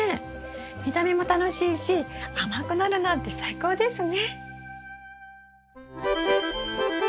見た目も楽しいし甘くなるなんて最高ですね！